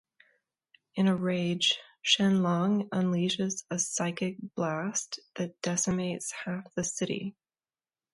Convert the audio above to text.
In a rage, Shen-long unleashes a psychic blast that decimates half the city.